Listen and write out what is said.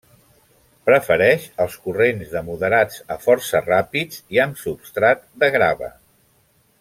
Prefereix els corrents de moderats a força ràpids i amb substrat de grava.